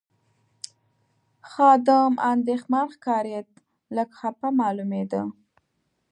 خادم اندېښمن ښکارېد، لږ خپه معلومېده.